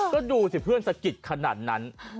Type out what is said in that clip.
ก็ดูสิเพื่อนสะกิดขนาดนั้น